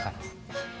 maksudnya apa ini pak